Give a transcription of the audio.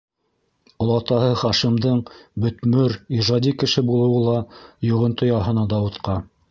Олатаһы Хашимдың бөтмөр, ижади кеше булыуы ла йоғонто яһаны Дауытҡа.